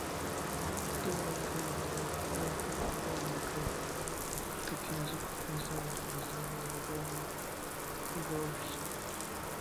Tuvo un hijo llamado Göngu-Hrólf que tiene su propia saga, la saga de Göngu-Hrólfs.